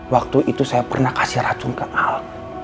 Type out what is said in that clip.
waktu itu saya pernah kasih racun ke al